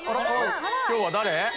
今日は誰？